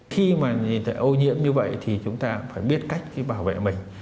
khi mà nhìn thấy ô nhiễm như vậy thì chúng ta phải biết cách để bảo vệ mình